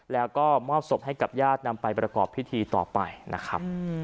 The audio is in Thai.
แล้วก็มอบศพให้กับญาตินำไปประกอบพิธีต่อไปนะครับ